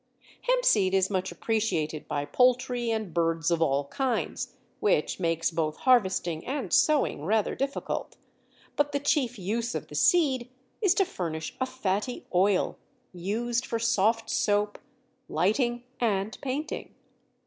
Hempseed is much appreciated by poultry and birds of all kinds (which makes both harvesting and sowing rather difficult); but the chief use of the seed is to furnish a fatty oil used for soft soap, lighting, and painting.